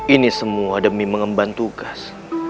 ini semua demi mengemban tugas